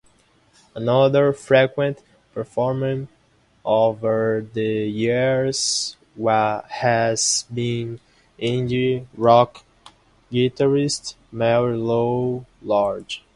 Another frequent performer over the years has been indie rock guitarist Mary Lou Lord.